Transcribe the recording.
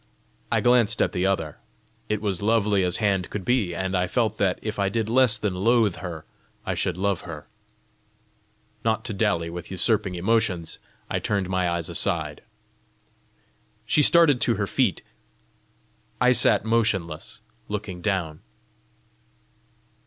I glanced at the other: it was lovely as hand could be, and I felt that, if I did less than loathe her, I should love her. Not to dally with usurping emotions, I turned my eyes aside. She started to her feet. I sat motionless, looking down.